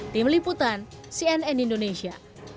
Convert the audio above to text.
tim liputan cnn indonesia